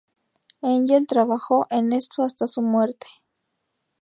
Engel trabajó en esto hasta su muerte.